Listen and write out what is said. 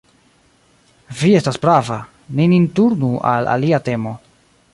Vi estas prava: ni nin turnu al alia temo.